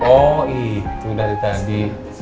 oh itu dari tadi